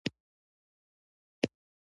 باد د کوترې الوت اسانوي